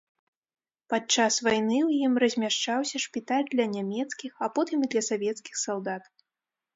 Падчас вайны ў ім размяшчаўся шпіталь для нямецкіх, а потым і для савецкіх салдат.